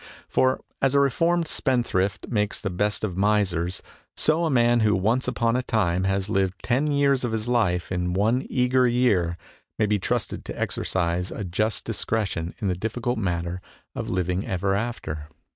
For, as a reformed spendthrift makes the best of misers, so a man who once upon a time has lived ten years of his life in one eager year may be trusted to exercise a just discretion in the difficult matter of living ever after.